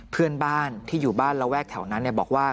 เพื่อนบ้านที่อยู่บ้านระแวกแถวนั้นบอกว่า